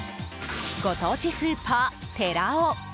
ご当地スーパー、てらお。